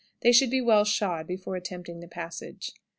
They should be well shod before attempting the passage.